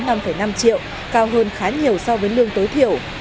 năm năm năm triệu cao hơn khá nhiều so với lương tối thiểu